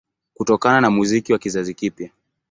Kutokana na muziki wa kizazi kipya